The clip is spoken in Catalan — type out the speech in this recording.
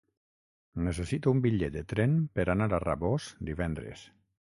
Necessito un bitllet de tren per anar a Rabós divendres.